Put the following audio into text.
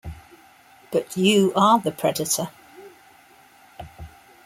But you are the predator.